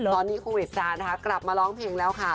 พี่โควิดฟรานซ์กลับมาร้องเพลงแล้วค่ะ